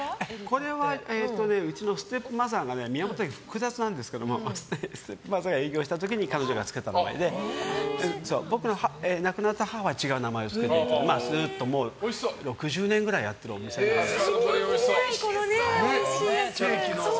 うちのステップマザーがね宮本家、複雑なんですけどステップマザーが営業してた時に彼女がつけた名前で僕の亡くなった母は違う名前で、ずっと６０年ぐらいやってるお店です。